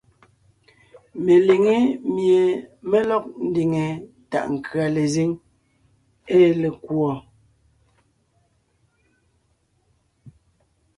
Meliŋé mie mé lɔg ndiŋe taʼ nkʉ̀a lezíŋ ée lekùɔ.